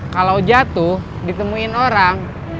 kalau jatuh ditemuin orang